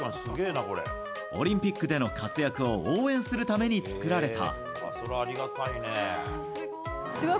オリンピックでの活躍を応援するために作られた。